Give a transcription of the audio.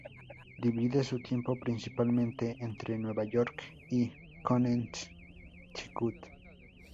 Divide su tiempo principalmente entre Nueva York y Connecticut.